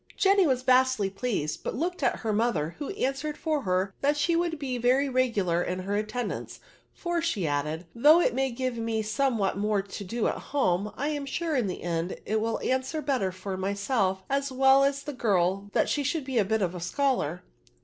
Jeiiny vms vastly pleased, but looked at her mother, who answered for her that she would be very regular in her atten dance 5 " for," added she, though it may give me somewhat more to do at home, I am sure in the fend it wiU answer better for my self as weU as the girl that she should be a bit of a scholar.